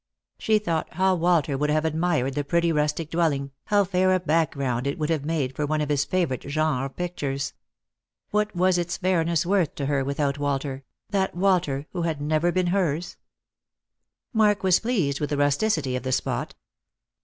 She thought how Walter would have admired the pretty rustic dwelling, how fair a background it would h.ive made for one of his favourite genre pictures. What was its 228 Lost for Love. fairness worth to her without Walter — that "Walter who had never been hers P Mark was pleased with the rusticity of the spot.